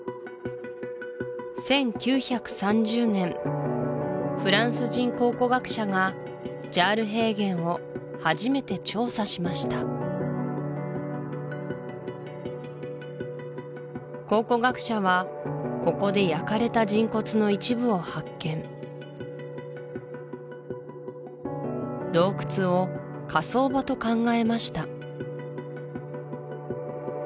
１９３０年フランス人考古学者がジャール平原を初めて調査しました考古学者はここで焼かれた人骨の一部を発見洞窟を火葬場と考えました